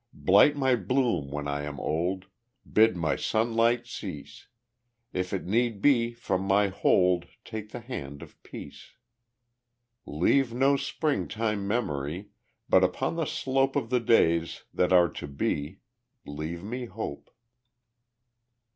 Blight my bloom when I am old, Bid my sunlight cease; If it need be from my hold Take the hand of Peace. Leave no springtime memory, But upon the slope Of the days that are to be, Leave me Hope!